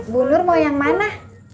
bu nur mau yang mana